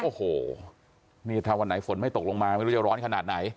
โอ้โหนี่ถ้าวันไหนฝนไม่ตกลงมาไม่รู้จะร้อนขนาดไหน